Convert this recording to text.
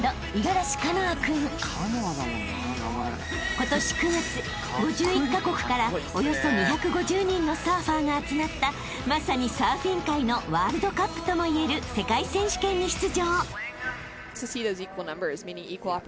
［今年９月５１カ国からおよそ２５０人のサーファーが集まったまさにサーフィン界のワールドカップともいえる世界選手権に出場］